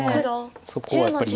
そこはやっぱり。